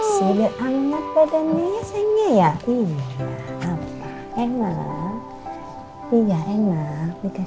sederhanat badannya ya sayangnya ya